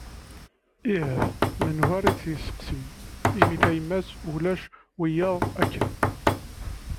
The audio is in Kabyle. Ih, menhu ara tt-yesteqsin, imi tayemmat ulac wiyyaḍ akken.